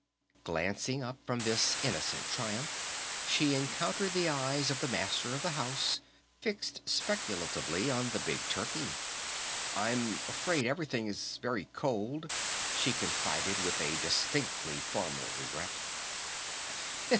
Glancing up from this innocent triumph, she encountered the eyes of the Master of the House fixed speculatively on the big turkey. "I'm afraid everything is very cold," she confided with distinctly formal regret.